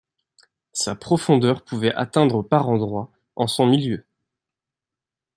Sa profondeur pouvait atteindre par endroits en son milieu.